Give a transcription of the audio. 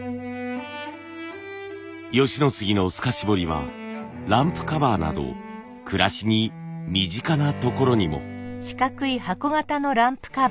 吉野杉の透かし彫りはランプカバーなど暮らしに身近なところにも。